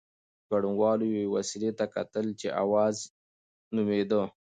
ګډونوالو یوې وسيلې ته کتل چې "اوز" نومېده.